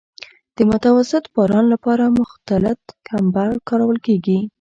د متوسط باران لپاره مختلط کمبر کارول کیږي